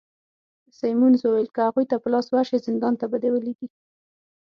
سیمونز وویل: که هغوی ته په لاس ورشې، زندان ته به دي ولیږي.